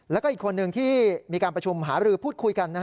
แล้วก็อีกคนนึงที่มีการประชุมหาบรือพูดคุยกัน